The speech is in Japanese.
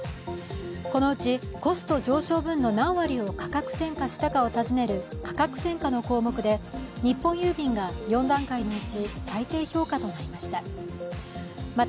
このうち、コスト上昇分の何割を価格転嫁したかを尋ねる価格転嫁の項目で、日本郵便が４段階のうち最低評価となりました。